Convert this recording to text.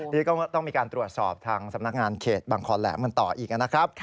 นี่ก็ต้องมีการตรวจสอบทางสำนักงานเขตบางคอแหลมกันต่ออีกนะครับ